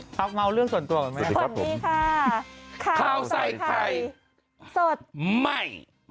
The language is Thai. สวัสดีค่ะข้าวใส่ไข่สดใหม่